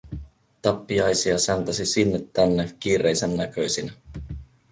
Tappiaisia säntäsi sinne tänne kiireisen näköisinä.